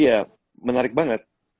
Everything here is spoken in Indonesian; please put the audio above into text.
iya menarik banget